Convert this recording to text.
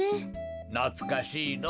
なつかしいのぉ。